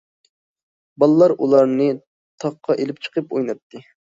بالىلار ئۇلارنى تاغقا ئېلىپ چىقىپ ئويناتتى.